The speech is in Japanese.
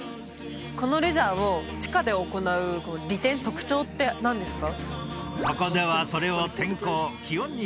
このレジャーを地下で行う利点特徴って何ですか？